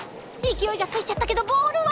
勢いがついちゃったけどボールは？